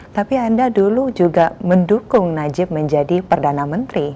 tapi anda dulu juga mendukung najib menjadi perdana menteri